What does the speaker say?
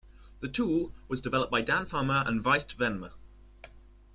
The tool was developed by Dan Farmer and Wietse Venema.